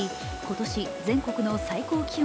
都市の全国の最高気温